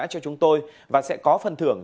cho chúng tôi và sẽ có phần thưởng